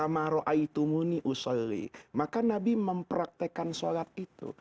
maka nabi mempraktekkan sholat itu